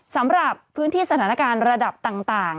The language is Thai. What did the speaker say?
สำหรับพื้นที่สถานการณ์ระดับต่าง